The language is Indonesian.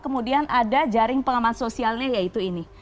kemudian ada jaring pengaman sosialnya yaitu ini